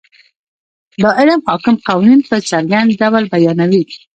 دا علم حاکم قوانین په څرګند ډول بیانوي.